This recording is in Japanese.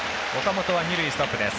岡本は二塁ストップ。